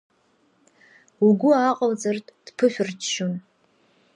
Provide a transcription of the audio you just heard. Угәы ааҟалҵартә, дԥышәырччон.